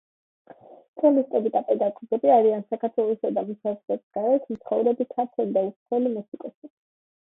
სოლისტები და პედაგოგები არიან საქართველოსა და მის საზღვრებს გარეთ მცხოვრები ქართველი და უცხოელი მუსიკოსები.